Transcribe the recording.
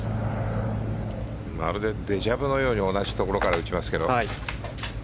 まるでデジャヴのように同じところに打ちますけど。